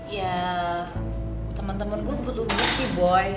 ya temen temen gue butuh bukti boy